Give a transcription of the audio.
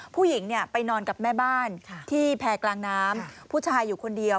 ผู้หญิงไปนอนกับแม่บ้านที่แพร่กลางน้ำผู้ชายอยู่คนเดียว